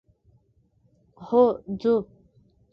هو ځو.